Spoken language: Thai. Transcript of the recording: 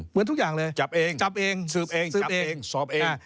เหมือนทุกอย่างเลยจับเองสืบเองสอบเอง